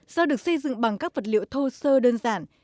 do được xây dựng bằng các vật liệu thô sơ đơn giản